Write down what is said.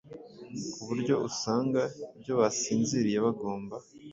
kuburyo usanga iyo basinziriye bagona